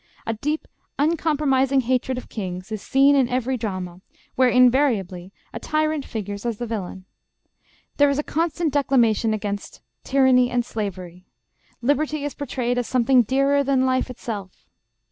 A deep, uncompromising hatred of kings is seen in every drama, where invariably a tyrant figures as the villain. There is a constant declamation against tyranny and slavery. Liberty is portrayed as something dearer than life itself.